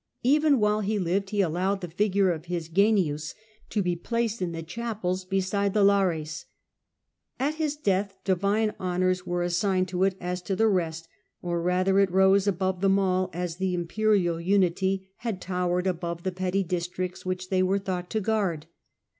Even while he lived he allowed the figure of his Genius to be placed in the chapels beside the Lares. At his death divine honours were xhe Genius assigned to it as to the rest, or rather it rose of Augustus, above them all, as the imperial unity had. towered above 42 The Earlier Empire, a. a 14 the petty districts which they were thought to guard.